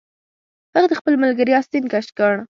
هغه د خپل ملګري آستین کش کړ